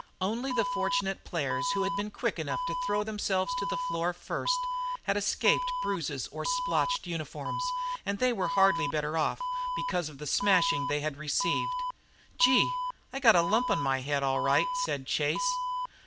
Only the fortunate players who had been quick enough to throw themselves to the floor first, had escaped bruises or splotched uniforms, and they were hardly better off because of the smashing they had received. "Gee! I got a lump on my head, all right," said Chase.